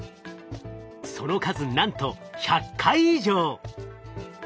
その数なんと１００回以上。